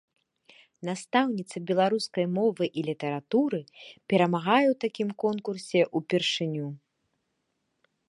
Настаўніца беларускай мовы і літаратуры перамагае ў такім конкурсе ўпершыню.